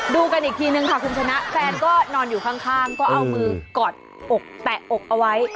ดูกันอีกทีนึงค่ะคุณชนะแฟนก็นอนอยู่ข้างก็เอามือกอดอกแตะอกเอาไว้